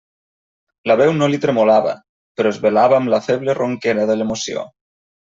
La veu no li tremolava, però es velava amb la feble ronquera de l'emoció.